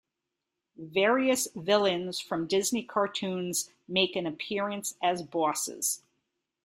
Various villains from Disney cartoons make an appearance as bosses.